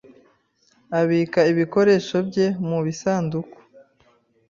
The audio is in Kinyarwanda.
abika ibikoresho bye mubisanduku.